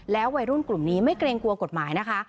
วัยรุ่นกลุ่มนี้ไม่เกรงกลัวกฎหมายนะคะ